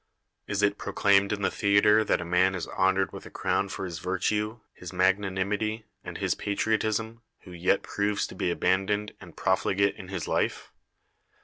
Is it proclaimed in the theater that a man is honored with a crown for his virtue, his magnanimity, and his patriotism, who yet proves to be abandoned and profligate in his life?